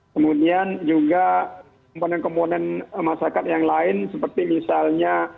kemudian juga komponen komponen masyarakat yang lain seperti misalnya